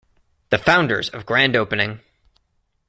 The founders of Grand Opening!